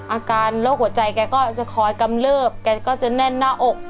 อาการโรคหัวใจแกก็จะคอยกำเลิบแกก็จะแน่นหน้าอก